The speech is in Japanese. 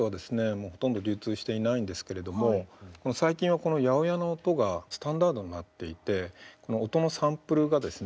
もうほとんど流通していないんですけれども最近はこの８０８の音がスタンダードになっていてこの音のサンプルがですね